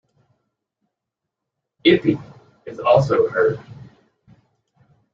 "Ippi" is also heard.